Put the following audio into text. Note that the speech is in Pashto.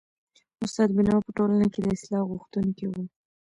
استاد بينوا په ټولنه کي د اصلاح غوښتونکی و.